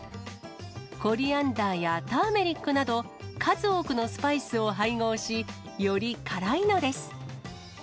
コリアンダーやターメリックなど、数多くのスパイスを配合し、より辛いのです。